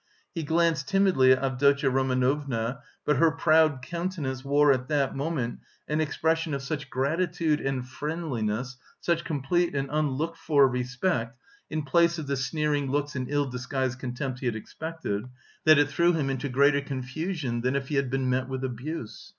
He glanced timidly at Avdotya Romanovna, but her proud countenance wore at that moment an expression of such gratitude and friendliness, such complete and unlooked for respect (in place of the sneering looks and ill disguised contempt he had expected), that it threw him into greater confusion than if he had been met with abuse.